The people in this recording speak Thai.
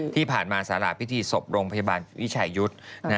ที่ผ่านมาสาราพิธีศพโรงพยาบาลวิชายุทธ์